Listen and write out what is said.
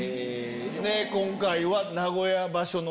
今回は。